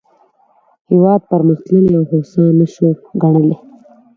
هېواد پرمختللی او هوسا نه شو ګڼلای.